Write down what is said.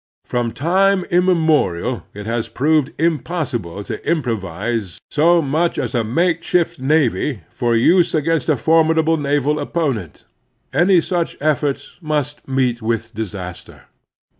From time immemorial it has proved impossible to im provise so much as a makeshift navy for use against a formidable naval opponent. Any such effort must meet with disaster.